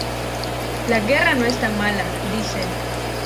La guerra no es tan mala, dicen.